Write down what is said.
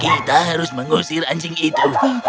kita harus mengusir anjing itu